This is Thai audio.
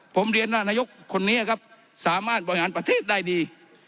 ผมเรียนว่านายกคนนี้ครับสามารถบริหารประเทศได้ดี